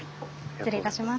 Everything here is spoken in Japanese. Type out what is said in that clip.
失礼いたします。